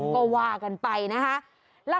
ก็ว่ากันไปนะคะ